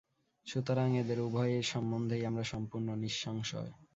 সুতরাং এঁদের উভয়ের সম্বন্ধেই আমরা সম্পূর্ণ নিঃসংশয়।